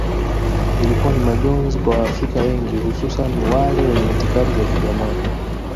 Ilikuwa ni majonzi kwa waafrika wengi hususani wale wenye itikadi za kijamaa